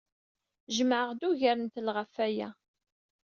Jemɛeɣ-d ugar n telɣa ɣef waya.